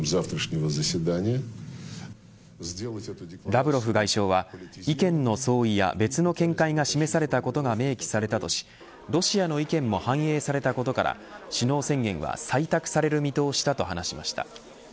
ラブロフ外相は意見の相違や別の見解が示されたことが明記されたとしロシアの意見も反映されたことから首脳宣言は採択される見通しだと話しました。